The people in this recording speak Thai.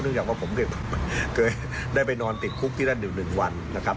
ซึ่งแค่คิดว่าผมเคยได้ไปนอนติดคุกในการเรื่องดื่ม๑หวันนะครับ